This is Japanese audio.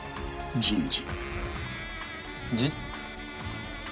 人事。